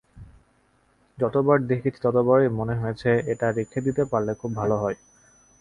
যতবার দেখেছি ততবারই মনে হয়েছে, এটা রেখে দিতে পারলে খুব ভালো হয়।